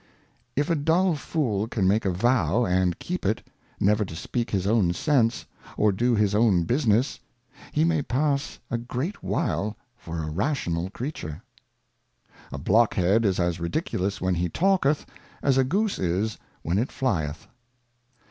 If a dull Fool can make a Vow and keep it, never to speak his own Sense, or do his own Business, he may pass a great while for a rational Creature. A Blockhead is as ridiculous when he talketh, as a Goose is when it flieth.